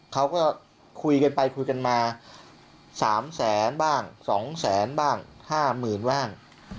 เขาก็คุยกันไปคุยกันมา๓แสนบ้าง๒แสนบ้าง๕๐๐๐บ้าง